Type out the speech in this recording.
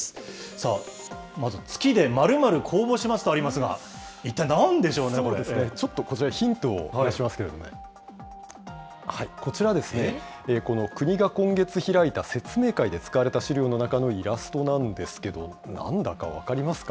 さあまず、月でまるまる公募しますとありますが、一体なんでしょそうですね、ちょっとこちら、ヒントをお見せしますけども、こちらですね、国が今月開いた説明会で使われた資料の中のイラストなんですけど、なんだか分かりますか？